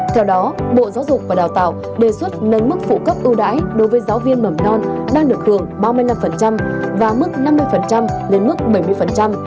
theo đó bộ giáo dục và đào tạo đề xuất nâng mức phụ cấp ưu đãi đối với giáo viên mầm non đang được hưởng ba mươi năm và mức năm mươi lên mức bảy mươi